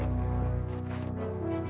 aku harus melayanginya dengan baik